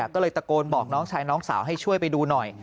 ก็เลยตะโกนบอกน้องชายน้องสาวให้ช่วยไปดูหน่อย